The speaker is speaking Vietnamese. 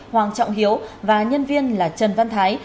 hoàng trọng hiếu và nhân viên là trần văn thái